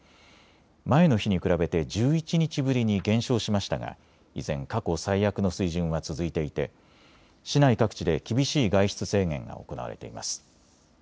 前の日に比べて１１日ぶりに減少しましたが依然、過去最悪の水準は続いていて市内各地で厳しい外出制限が行われています。